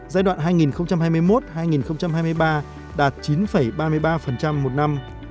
giai đoạn hai nghìn hai mươi một hai nghìn hai mươi ba đạt chín ba mươi ba một năm